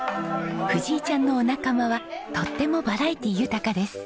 藤井ちゃんのお仲間はとってもバラエティー豊かです。